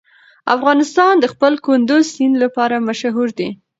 افغانستان د خپل کندز سیند لپاره مشهور دی.